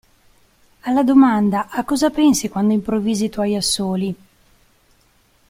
Alla domanda "A cosa pensi quando improvvisi i tuoi assoli?